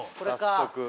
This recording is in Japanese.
早速。